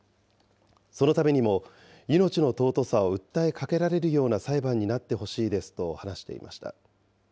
そのためにも命の尊さを訴えかけられるような裁判になってほしいですと話していました。